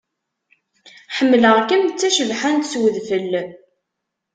Ḥemmleɣ-kem d tacebḥant s udfel.